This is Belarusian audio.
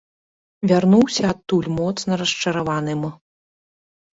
Вярнуўся адтуль моцна расчараваным.